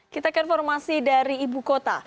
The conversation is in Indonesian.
kita ke informasi dari ibu kota